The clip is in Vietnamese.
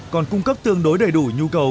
còn cung cấp tương đối đầy đủ nhu cầu